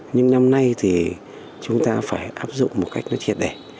nhưng năm nay thì chúng ta phải áp dụng một cách nó triệt đẻ